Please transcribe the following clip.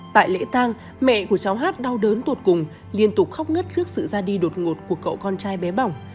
tại lễ tăng mẹ của cháu h đau đớn tụt cùng liên tục khóc ngất trước sự ra đi đột ngột của cậu con trai bé bỏng